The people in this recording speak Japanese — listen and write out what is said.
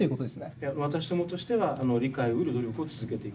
いや私どもとしては理解をうる努力を続けていく。